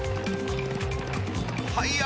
はいや！